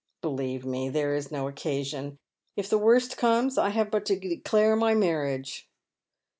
" Believe me, there is no occasion. If the worst comes I have but to declare my maniage."